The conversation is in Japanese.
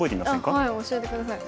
はい教えて下さい。